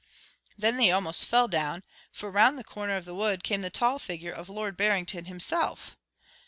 Then they almost fell down, for round the corner of the wood came the tall figure of Lord Barrington himself.